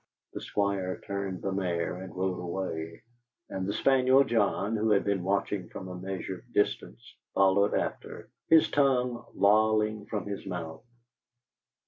The Squire turned the mare and rode away; and the spaniel John, who had been watching from a measured distance, followed after, his tongue lolling from his mouth.